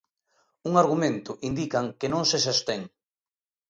Un argumento, indican, que non se sostén.